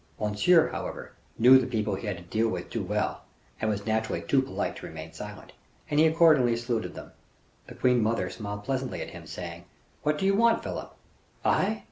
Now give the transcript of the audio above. Monsieur, however, knew the people he had to deal with too well, and was naturally too polite to remain silent, and he accordingly saluted them. The queen mother smiled pleasantly at him, saying, "What do you want, Philip?" "I?